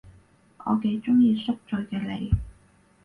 我幾鍾意宿醉嘅你